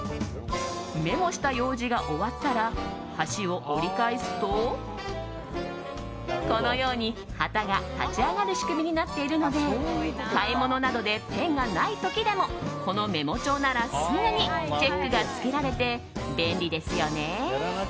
メモした用事が終わったら端を折り返すとこのように、旗が立ち上がる仕組みになっているので買い物などでペンがない時でもこのメモ帳ならすぐにチェックがつけられて便利ですよね。